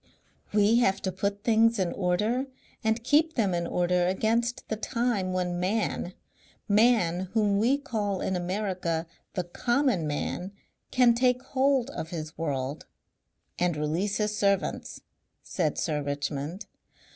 We have to put things in order and keep them in order against the time when Man Man whom we call in America the Common Man can take hold of his world " "And release his servants," said Sir Richmond.